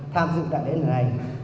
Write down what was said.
tham dự tại lễ này